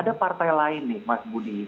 ada partai lain nih mas budi